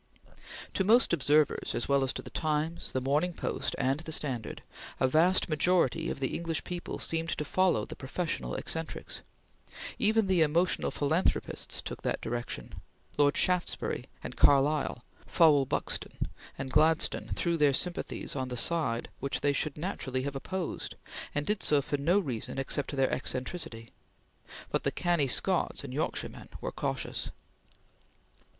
To most observers, as well as to the Times, the Morning Post, and the Standard, a vast majority of the English people seemed to follow the professional eccentrics; even the emotional philanthropists took that direction; Lord Shaftesbury and Carlyle, Fowell Buxton, and Gladstone, threw their sympathies on the side which they should naturally have opposed, and did so for no reason except their eccentricity; but the "canny" Scots and Yorkshiremen were cautious.